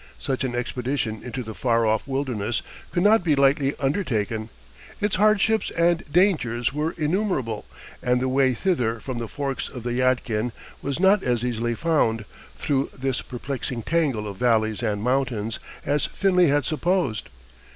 Such an expedition into the far off wilderness could not be lightly undertaken; its hardships and dangers were innumerable; and the way thither from the forks of the Yadkin was not as easily found, through this perplexing tangle of valleys and mountains, as Finley had supposed.